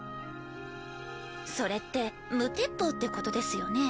それって無鉄砲ってことですよね？